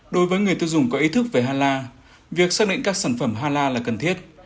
đối với người tiêu dùng có ý thức về hà la việc xác định các sản phẩm hà la là cần thiết